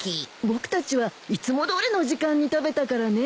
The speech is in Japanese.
僕たちはいつもどおりの時間に食べたからね。